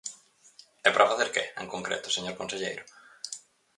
¿E para facer que, en concreto, señor conselleiro?